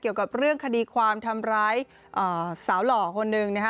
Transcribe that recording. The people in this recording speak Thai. เกี่ยวกับเรื่องคดีความทำร้ายสาวหล่อคนหนึ่งนะฮะ